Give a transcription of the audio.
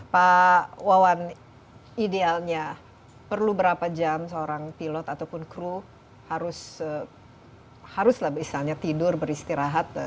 pak wawan idealnya perlu berapa jam seorang pilot ataupun kru haruslah misalnya tidur beristirahat